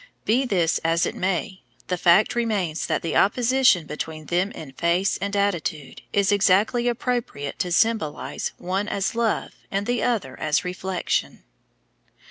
Be this as it may, the fact remains that the opposition between them in face and attitude is exactly appropriate to symbolize one as love and the other as reflection.